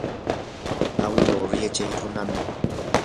awilu yachaw runam.